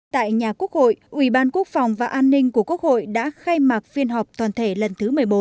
tại nhà quốc hội ubnd của quốc hội đã khai mạc phiên họp toàn thể lần thứ một mươi bốn